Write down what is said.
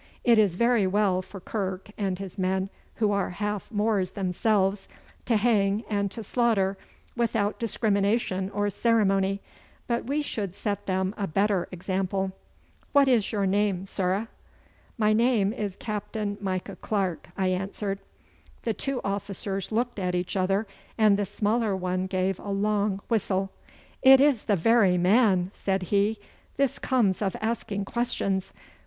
'It is very well for Kirke and his men, who are half Moors themselves, to hang and to slaughter without discrimination or ceremony, but we should set them a better example. What is your name, sirrah?' 'My name is Captain Micah Clarke,' I answered. The two officers looked at each other, and the smaller one gave a long whistle. 'It is the very man!' said he. 'This comes of asking questions!